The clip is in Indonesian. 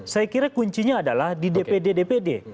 saya kira kuncinya adalah di dpd dpd